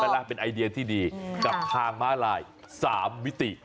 เป็นไอเดียที่ดีกับทางม้าลาย๓มิติ